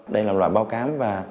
đây là loại bào cám và